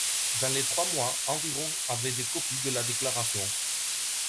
Dans les trois mois, environ avaient des copies de la Déclaration.